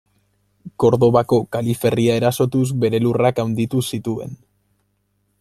Kordobako kaliferria erasotuz bere lurrak handitu zituen.